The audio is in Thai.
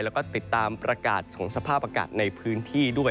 แล้วก็ติดตามประกาศของสภาพอากาศในพื้นที่ด้วย